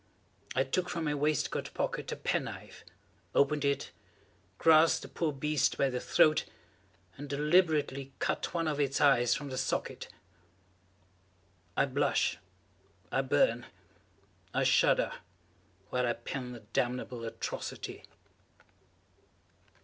I took from my waistcoat pocket a pen knife, opened it, grasped the poor beast by the throat, and deliberately cut one of its eyes from the socket! I blush, I burn, I shudder, while I pen the damnable atrocity.